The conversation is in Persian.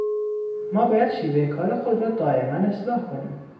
ما باید شیوهٔ کار خود را دائماً اصلاح کنیم.